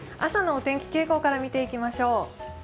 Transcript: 朝のお天気傾向から見ていきましょう。